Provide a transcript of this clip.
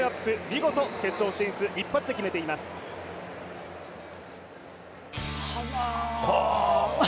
見事決勝進出、一発で決めていますはぁ。